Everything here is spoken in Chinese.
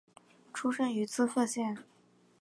出身于滋贺县。